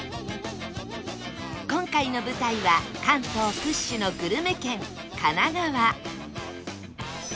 今回の舞台は関東屈指のグルメ県神奈川